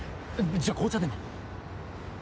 じゃあ紅茶でも。